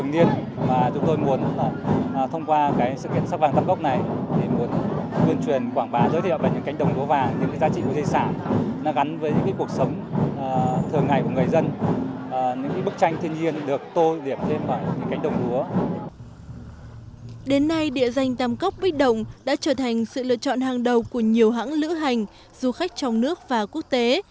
đến nay địa danh tam cốc bích động đã trở thành sự lựa chọn hàng đầu của nhiều hãng lữ hành du khách trong nước và quốc tế